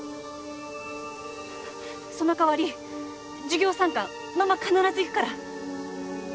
その代わり授業参観ママ必ず行くから。